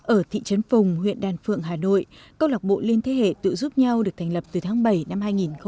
ở thị trấn phùng huyện đàn phượng hà nội câu lạc bộ liên thế hệ tự giúp nhau được thành lập từ tháng bảy năm hai nghìn một mươi chín